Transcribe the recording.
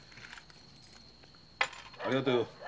ありがとよ。